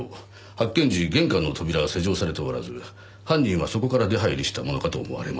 発見時玄関の扉は施錠されておらず犯人はそこから出入りしたものかと思われます。